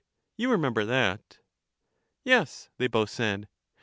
You remember that? Yes, they both said.